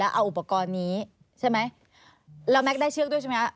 แล้วความเหนื่อยระเนี่ยมันจะมากกว่าเดินปกติตั้งเท่าไหร่